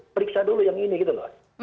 periksa dulu yang ini gitu loh